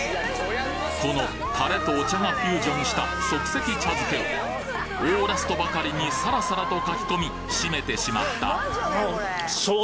このタレとお茶がフュージョンした即席茶漬けをオーラスとばかりにサラサラとかきこみシメてしまったもう。